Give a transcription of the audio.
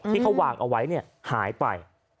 ที่เขาวางเอาไว้หายไป